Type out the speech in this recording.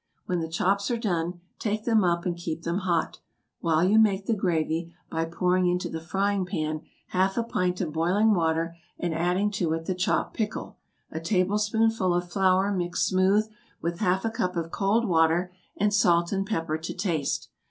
When the chops are done, take them up, and keep them hot, while you make the gravy by pouring into the frying pan half a pint of boiling water, and adding to it the chopped pickle, a tablespoonful of flour mixed smooth with half a cup of cold water, and salt and pepper to taste.